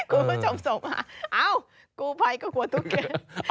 กูชมสมเอ้ากูไภก็กลัวตุ๊กแก่